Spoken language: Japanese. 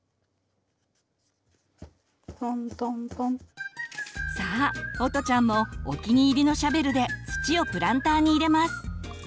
まずさあおとちゃんもお気に入りのシャベルで土をプランターに入れます。